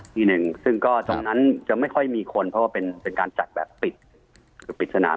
ที่หนึ่งซึ่งก็ตรงนั้นจะไม่ค่อยมีคนเพราะว่าเป็นการจัดแบบปิดคือปิดสนาม